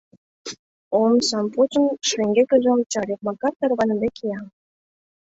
Омсам почын, шеҥгекыже ончале; Макар тарваныде кия.